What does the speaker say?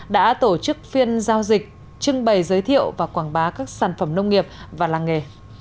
đã tổ chức phiên giao dịch trưng bày giới thiệu và quảng bá các sản phẩm nông nghiệp và làng nghề